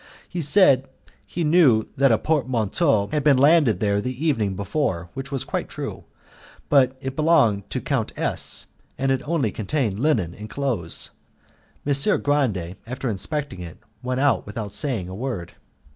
He said he knew that a portmanteau had been landed there the evening before, which was quite true; but it belonged to Count S , and only contained linen and clothes. Messer Grande, after inspecting it, went out without saying a word."